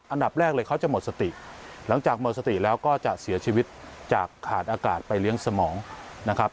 อันดับแรกเลยเขาจะหมดสติหลังจากหมดสติแล้วก็จะเสียชีวิตจากขาดอากาศไปเลี้ยงสมองนะครับ